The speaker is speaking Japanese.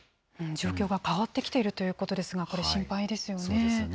状況が変わってきているということですが、これ心配ですよね。